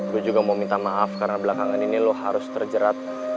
gue juga mau minta maaf karena belakangan ini lo harus terjerat